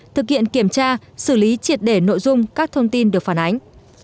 thực hiện kiểm tra xử lý triệt để nội dung các thông tin được phản ánh